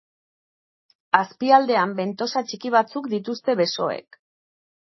Azpialdean bentosa txiki batzuk dituzte besoek.